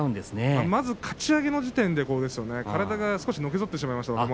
まず、かち上げの時点で体が少しのけぞってしまいました